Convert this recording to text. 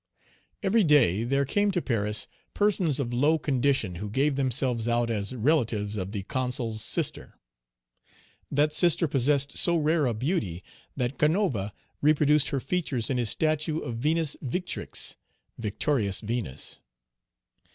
Every day there came to Paris persons of low condition who gave themselves out as relatives of the Consul's sister. That sister possessed so rare a beauty that Canova reproduced her features in his statue of Venus Victrix, Victorious Venus.